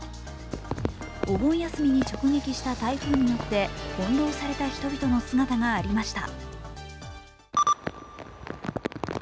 お盆休みに直撃した台風によって翻弄された人々の姿がありました。